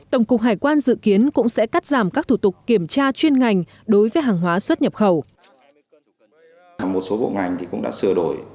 tổng cục hải quan dự kiến cũng sẽ cắt giảm các thủ tục kiểm tra chuyên ngành đối với hàng hóa xuất nhập khẩu